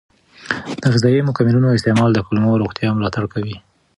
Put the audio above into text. د غذایي مکملونو استعمال د کولمو روغتیا ملاتړ کوي.